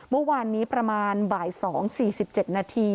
เมื่อวานนี้ประมาณ๒๔๗น